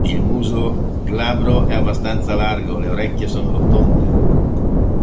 Il muso glabro è abbastanza largo, le orecchie sono rotonde.